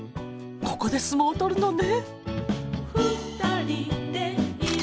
ここで相撲を取るのね。